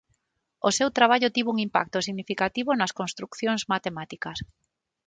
O seu traballo tivo un impacto significativo nas construcións matemáticas.